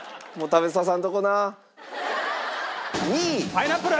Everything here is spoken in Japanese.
パイナップル！